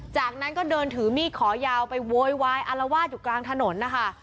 จากนั้นก็เดินถือมีดขอยาวไปโวยวายอารวาสอยู่กลางถนนนะคะ